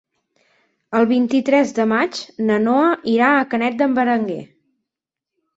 El vint-i-tres de maig na Noa irà a Canet d'en Berenguer.